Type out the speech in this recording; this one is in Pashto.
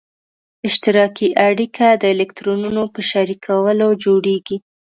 اشتراکي اړیکه د الکترونونو په شریکولو جوړیږي.